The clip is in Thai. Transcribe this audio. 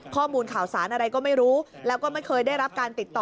ข้อมูลข่าวสารอะไรก็ไม่รู้แล้วก็ไม่เคยได้รับการติดต่อ